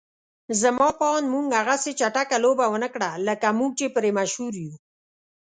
زما په اند موږ هغسې چټکه لوبه ونکړه لکه موږ چې پرې مشهور يو.